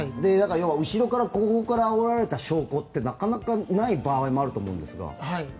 後ろから、後方からあおられた証拠ってなかなかない場合もあると思うんですけど。